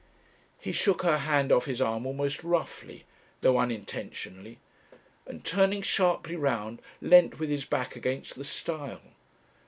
He shook her hand off his arm almost roughly, though unintentionally, and turning sharply round leant with his back against the stile.